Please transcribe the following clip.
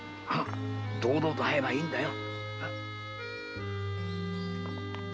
堂々と会えばいいんだよ。